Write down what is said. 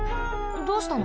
どうしたの？